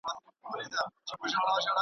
ويل گورئ دې د لاپو پهلوان ته.